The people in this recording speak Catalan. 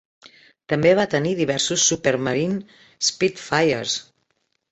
També va tenir diversos Supermarine Spitfires.